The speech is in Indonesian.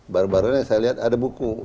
baru baru ini saya lihat ada buku